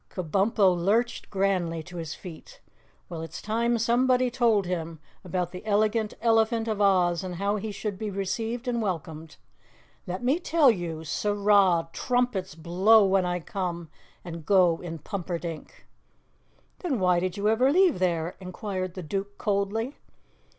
Kabumpo lurched grandly to his feet. "Well, it's time somebody told him about the Elegant Elephant of Oz and how he should be received and welcomed. Let me tell you, sirrah trumpets blow when I come and go in Pumperdink!" "Then why did you ever leave there?" inquired the Duke coldly.